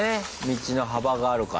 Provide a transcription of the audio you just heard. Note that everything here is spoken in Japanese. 道の幅があるから。